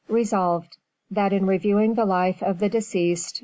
Resolved, "That in reviewing the life of the deceased.